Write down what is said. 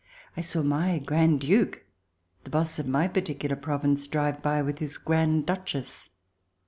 I saw my Grand Duke,* the " boss " of my particular province, drive by with his Grand Duchess.